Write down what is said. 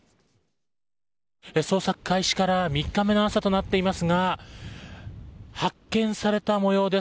捜索開始から３日目の朝となっていますが発見された模様です。